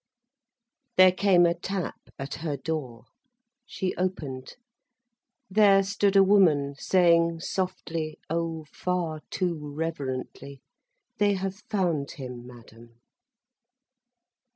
There came a tap at her door. She opened. There stood a woman, saying softly, oh, far too reverently: "They have found him, madam!"